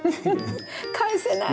返せない。